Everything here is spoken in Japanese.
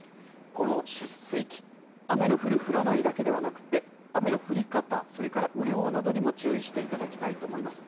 この出水期、雨の降る降らないだけではなくて、雨の降り方、それから雨量などにも注意していただきたいと思います。